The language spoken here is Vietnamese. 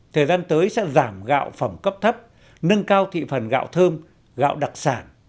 thời gian tới sẽ giảm gạo phẩm cấp thấp nâng cao thị phần gạo thơm gạo đặc sản